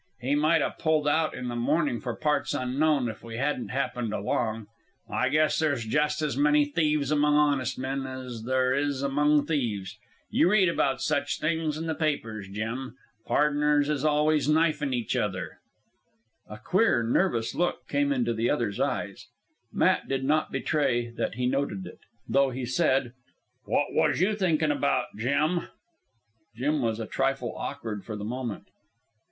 He might a pulled out in the mornin' for parts unknown, if we hadn't happened along. I guess there's just as many thieves among honest men as there is among thieves. You read about such things in the papers, Jim. Pardners is always knifin' each other." A queer, nervous look came into the other's eyes. Matt did not betray that he noted it, though he said "What was you thinkin' about, Jim?" Jim was a trifle awkward for the moment.